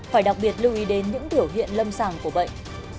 phải đặc biệt lưu ý đến những biểu hiện lâm sàng của bệnh